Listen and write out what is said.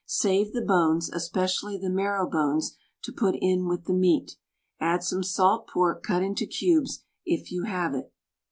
Save the bones, especially the marrow bones, to put in with the meat. Add some salt pork cut into cubes, if you have it.